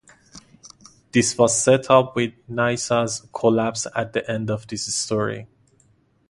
This was set up with Nyssa's collapse at the end of this story.